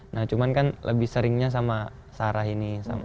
nah cuman kan lebih seringnya sama sarah ini